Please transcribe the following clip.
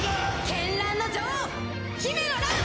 絢爛の女王ヒメノ・ラン！